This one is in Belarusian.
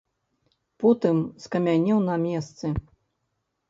Потым скамянеў на месцы.